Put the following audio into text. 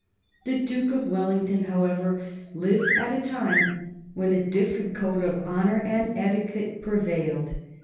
The Duke of Wellington, however, lived at a time when a different code of honor and etiquette prevailed.